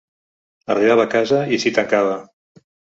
Arribava a casa i s’hi tancava.